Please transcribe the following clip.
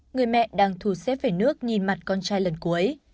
người mẹ đang thù xếp về nước nhìn mặt con trai lần cuối